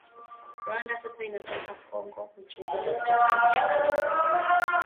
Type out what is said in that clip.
Rwanda sasa inataka Kongo kuchunguzwa kutokana na shutuma zake